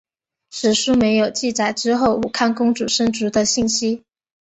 史书没有记载之后武康公主生卒的信息。